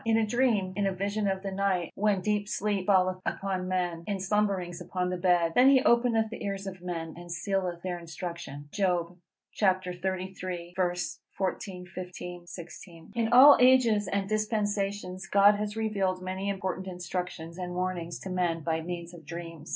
In a dream, in a vision of the night, when deep sleep falleth upon men, in slumberings upon the bed: then he openeth the ears of men, and sealeth their instruction_." Job xxxiii. 14, 15, 16. In all ages and dispensations God has revealed many important instructions and warnings to men by means of dreams.